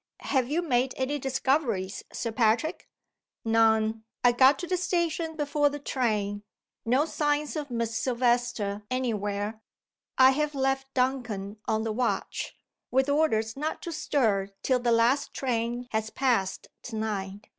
Have you made any discoveries, Sir Patrick?" "None. I got to the station before the train. No signs of Miss Silvester any where. I have left Duncan on the watch with orders not to stir till the last train has passed to night."